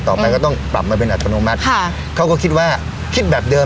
ต่อไปก็ต้องปรับมาเป็นอัตโนมัติค่ะเขาก็คิดว่าคิดแบบเดิม